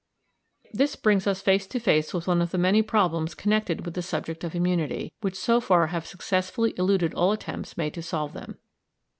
This brings us face to face with one of the many problems connected with the subject of immunity which so far have successfully eluded all attempts made to solve them.